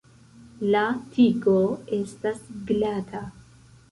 La tigo estas glata.